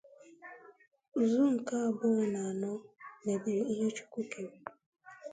Uzo nke abuo na ano mebiri ihe Chukwu kere.